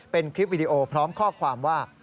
เป็นคลิปวิดีโอพร้อมข้อความว่า